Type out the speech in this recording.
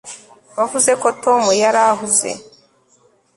wavuze ko tom yari ahuze